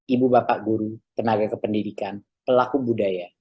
ibu bapak guru tenaga kependidikan pelaku budaya